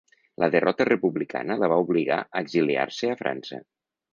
La derrota republicana la va obligar a exiliar-se a França.